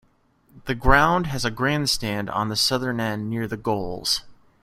The ground has a grandstand on the southern end near the goals.